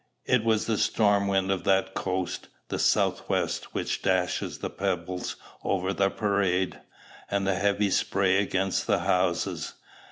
It was the storm wind of that coast, the south west, which dashes the pebbles over the Parade, and the heavy spray against the houses.